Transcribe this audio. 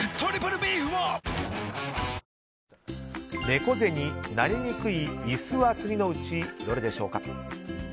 猫背になりにくい椅子は次のうちどれでしょうか。